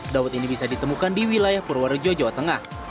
dawet ini bisa ditemukan di wilayah purworejo jawa tengah